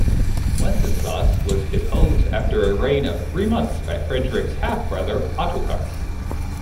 Wenceslaus was deposed after a reign of three months by Frederick's half-brother Ottokar.